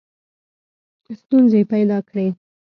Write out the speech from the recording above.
ستونزي پیدا کړې.